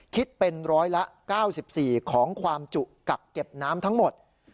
คิดเป็นร้อยละ๙๔ของความจุกักเก็บน้ำทั้งหมด